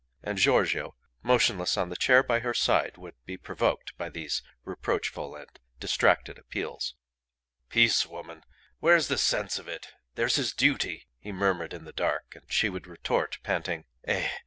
And Giorgio, motionless on the chair by her side, would be provoked by these reproachful and distracted appeals. "Peace, woman! Where's the sense of it? There's his duty," he murmured in the dark; and she would retort, panting "Eh!